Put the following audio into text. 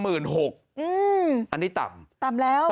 อันนี้ต่ำ